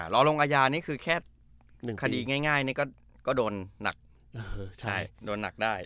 รอนลงอายานี้คือแค่คดีง่ายก็โดนหนักได้